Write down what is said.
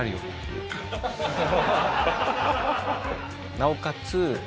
なおかつ